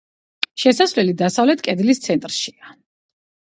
შესასვლელი დასავლეთ კედლის ცენტრშია.